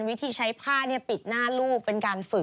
วิธีใช้ผ้าปิดหน้าลูกเป็นการฝึก